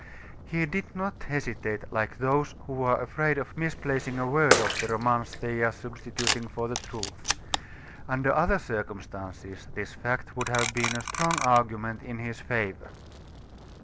He did not hesitate like those who are afraid of misplacing a word of the romance they are substituting for the truth. Under other circumstances, this fact would have been a strong argument in his favor.